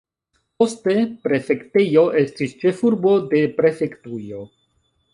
Poste, prefektejo estis ĉefurbo de prefektujo.